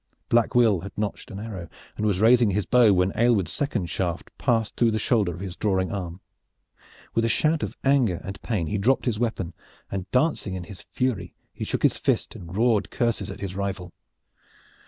Black Will had notched an arrow and was raising his bow when Aylward's second shaft passed through the shoulder of his drawing arm. With a shout of anger and pain he dropped his weapon, and dancing in his fury he shook his fist and roared curses at his rival.